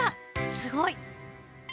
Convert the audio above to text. すごい。